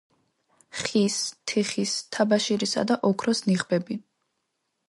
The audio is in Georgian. ხის, თიხის, თაბაშირისა და ოქროს ნიღბები.